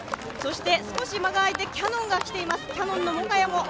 少し間があいてキヤノンが来ています。